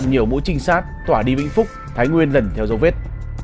đã tạo nhiều mũ trinh sát tỏa đi vĩnh phúc thái nguyên lần theo dấu vết